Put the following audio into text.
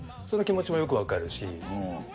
その気持ちもよくわかるし。